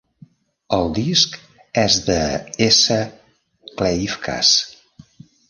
El disc és d'S. Kleivkaas.